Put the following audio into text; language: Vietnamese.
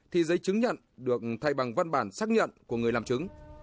thì giấy chứng nhận được thay bằng văn bản xác nhận của người làm chứng